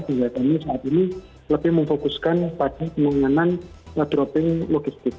kami saat ini lebih memfokuskan pada kemengenan dropping logistik